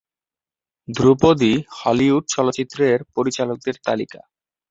ধ্রুপদী হলিউড চলচ্চিত্রের পরিচালকদের তালিকা